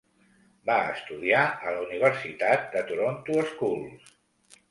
Va estudiar a la Universitat de Toronto Schools.